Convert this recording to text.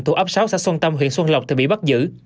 thuộc ấp sáu xã xuân tâm huyện xuân lộc thì bị bắt giữ